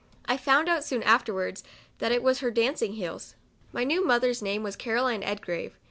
I found out soon afterwards that it was her dancing heels. My new mother's name was Caroline Eldgrave.